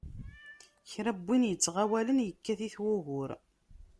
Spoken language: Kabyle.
Kra n win ittɣawalen, yekkat-it wugur.